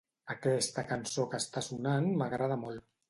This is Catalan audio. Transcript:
Aquesta cançó que està sonant m'agrada molt.